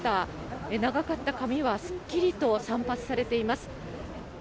長かった髪はすっきりと散髪されています。